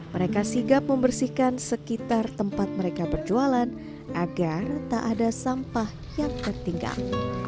mereka sigap membersihkan sekitar tempat mereka berjualan agar tak ada sampah yang tertinggal